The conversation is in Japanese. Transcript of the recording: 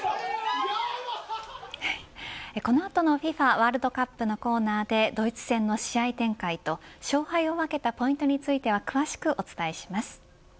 この後のＦＩＦＡワールドカップのコーナーでドイツ戦の試合展開と勝敗を分けたポイントについては詳しくお伝えします。